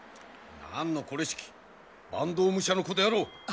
なんのこれしき坂東武者の子であろう！